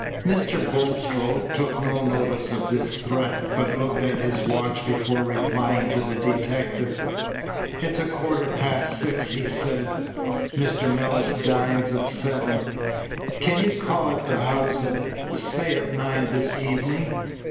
Mr. Bulstrode took no notice of this threat, but looked at his watch before replying to the detective. "It's a quarter past six," he said. "Mr. Mellish dines at seven. Can you call at the house, say at nine, this evening?